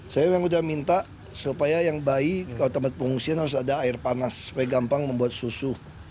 saya memang sudah minta supaya yang bayi kalau tempat pengungsian harus ada air panas supaya gampang membuat susu